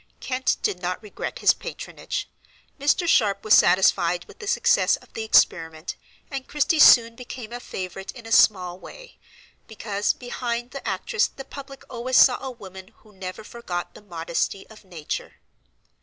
Kent did not regret his patronage. Mr. Sharp was satisfied with the success of the experiment, and Christie soon became a favorite in a small way, because behind the actress the public always saw a woman who never "forgot the modesty of nature."